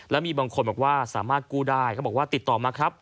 แล้วบางคนสามารถกู้ได้ติดต่อมาครับ